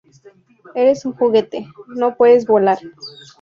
¡ Eres un juguete! ¡ no puedes volar!